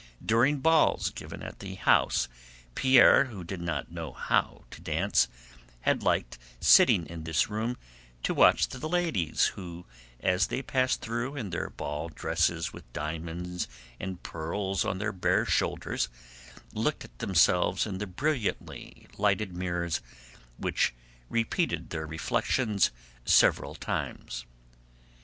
During balls given at the house Pierre, who did not know how to dance, had liked sitting in this room to watch the ladies who, as they passed through in their ball dresses with diamonds and pearls on their bare shoulders, looked at themselves in the brilliantly lighted mirrors which repeated their reflections several times.